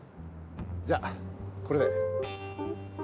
じゃこれで。